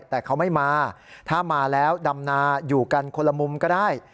แต่เขาไม่มาถ้ามาแล้วดำนาอยู่กันคนละมุมก็ได้